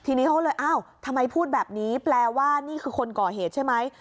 ทีนี้เขาเลยอ้าวทำไมพูดแบบนี้แปลว่านี่คือคนก่อเหตุใช่ไหม